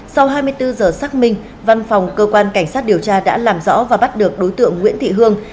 sau hai mươi bốn giờ xác minh văn phòng cơ quan cảnh sát điều tra đã làm rõ và bắt được đối tượng nguyễn thị hương